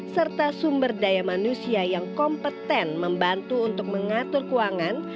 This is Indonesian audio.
serta sumber daya manusia yang kompeten membantu untuk mengatur keuangan